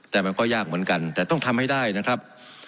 แต่มันก็ยากเหมือนกันแต่ต้องทำให้ได้นะครับ